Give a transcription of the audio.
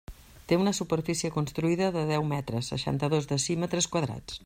Té una superfície construïda de deu metres, seixanta-dos decímetres quadrats.